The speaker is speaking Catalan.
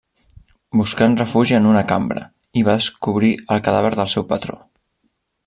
Buscant refugi en una cambra, hi va descobrir el cadàver del seu patró.